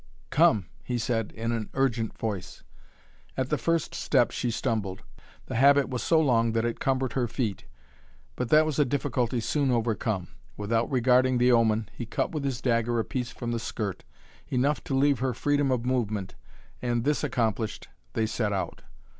"Come!" he said in an urgent voice. At the first step she stumbled. The habit was so long that it cumbered her feet. But that was a difficulty soon overcome. Without regarding the omen, he cut with his dagger a piece from the skirt, enough to leave her freedom of movement and, this accomplished, they set out.